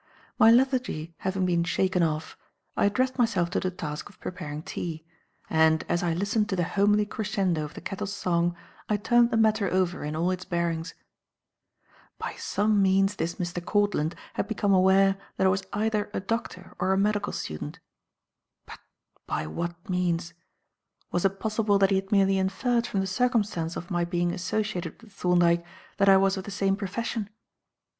My lethargy having been shaken off, I addressed myself to the task of preparing tea; and, as I listened to the homely crescendo of the kettle's song, I turned the matter over in all its bearings. By some means this Mr. Courtland had become aware that I was either a doctor or a medical student. But by what means? Was it possible that he had merely inferred from the circumstance of my being associated with Thorndyke that I was of the same profession?